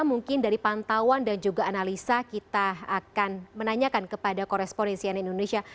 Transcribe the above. mungkin dari pantauan dan juga analisa kita akan menanyakan kepada korespondensian indonesia